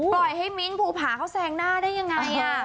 ปล่อยให้มิ้นท์ภูผาเขาแซงหน้าได้ยังไง